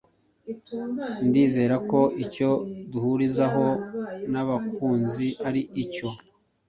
ndizera ko icyo duhurizaho n’abakunzi ari icyo